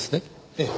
ええ。